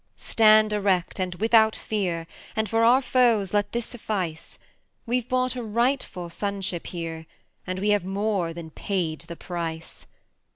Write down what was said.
stand erect and without fear, And for our foes let this suffice We've bought a rightful sonship here, And we have more than paid the price.